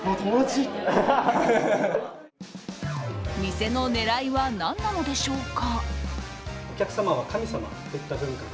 店の狙いはなんなのでしょうか？